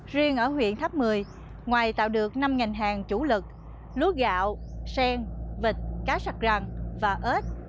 riêng ở huyện tháp mười ngoài tạo được năm ngành hàng chủ lực lúa gạo sen vịt cá sạc rằn và ếch